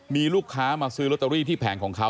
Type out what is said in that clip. มีลูกค้ามาซื้อลอตเตอรี่ที่แผงของเขา